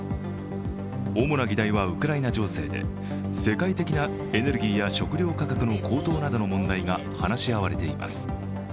主な議題はウクライナ情勢で世界的なエネルギーや食料価格の高騰などの問題が話し合われています。